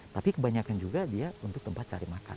tapi kebanyakan juga dia untuk tempat cari makan